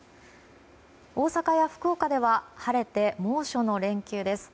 大阪や福岡では晴れて猛暑の連休です。